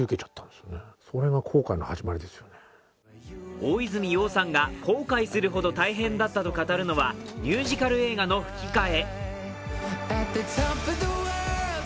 大泉洋さんが後悔するほど大変だったと語るのはミュージカル映画の吹き替え。